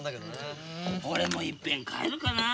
俺もいっぺん帰るかなあ。